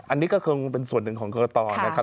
อันนี้ก็คงเป็นส่วนหนึ่งของกรกตนะครับ